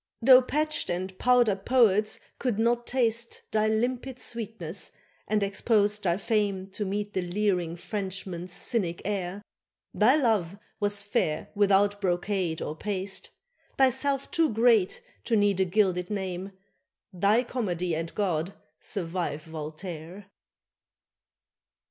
Though patched and powdered poets could not taste Thy limpid sweetness, and exposed thy fame To meet the leering Frenchman's cynic air, Thy love was fair without brocade or paste, Thyself too great to need a gilded name; Thy Comedy and God survive Voltaire.